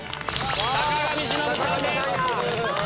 坂上忍さんです。